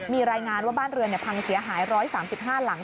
มีรายงานว่าบ้านเรือนพังเสียหาย๑๓๕หลัง